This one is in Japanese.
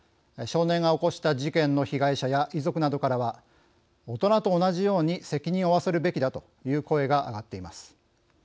少年が起こした事件の被害者や遺族などからは「大人と同じように責任を負わせるべきだ」という声が上がっています。